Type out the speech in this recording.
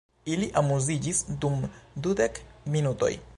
Ili amuziĝis dum dudek minutoj.